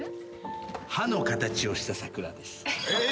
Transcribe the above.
歯の形をした桜です。